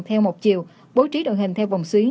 theo một chiều bố trí đội hình theo vòng xuyến